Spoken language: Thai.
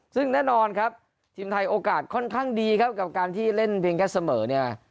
ซึ่งแน่นอนครับทีมไทยโอกาสค่อนข้างดีครับกับการที่เล่นเพียงแค่เสมอเนี่ย